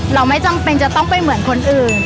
เราไม่จำเป็นจะต้องไปเหมือนคนอื่น